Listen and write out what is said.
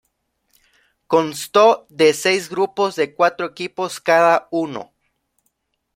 Constó de seis grupos de cuatro equipos cada uno.